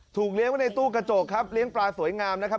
เลี้ยงไว้ในตู้กระจกครับเลี้ยงปลาสวยงามนะครับ